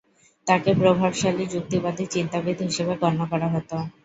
তাকে প্রভাবশালী যুক্তিবাদী চিন্তাবিদ হিসাবে গন্য করা হতো।